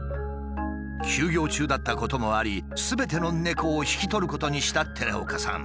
休業中だったこともありすべての猫を引き取ることにした寺岡さん。